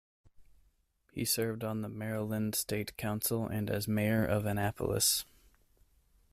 He served on the Maryland state council and as mayor of Annapolis.